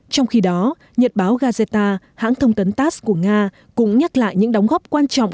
trong khi đó nhật báo gazeta hãng thông tấn tass của nga cũng nhắc lại những đóng góp quan trọng